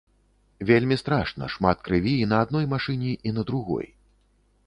Вельмі страшна, шмат крыві і на адной машыне і на другой.